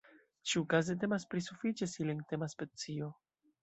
Ĉiukaze temas pri sufiĉe silentema specio.